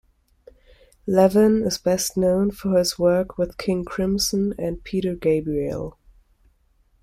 Levin is best known for his work with King Crimson and Peter Gabriel.